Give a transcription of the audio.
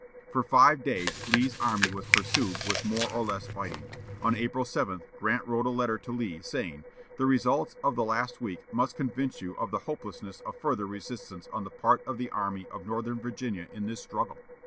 For five days Lee's army was pursued with more or less fighting. On April 7, Grant wrote a letter to Lee, saying: "The results of the last week must convince you of the hopelessness of further resistance on the part of the Army of Northern Virginia in this struggle.